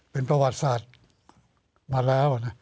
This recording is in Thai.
เป็นประวัติศาสตร์มาแล้วนะ